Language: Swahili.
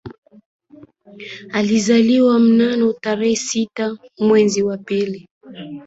Alizaliwa mnamo tarehe sita mwezi wa pili